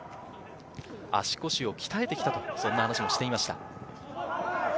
足腰を鍛えて来たと、そんな話もしていました。